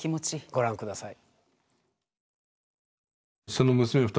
ご覧下さい。